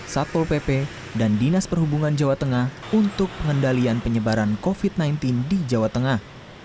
satpol pp dan dinas perhubungan jawa tengah untuk pengendalian penyebaran covid sembilan belas di jawa tengah